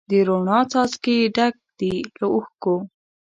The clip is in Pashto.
د روڼا څاڅکي ډک دي له اوښکو